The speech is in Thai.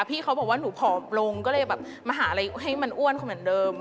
พี่เขาบอกว่าหนูผอมลงก็เลยแบบมาหาอะไรให้มันอ้วนเขาเหมือนเดิม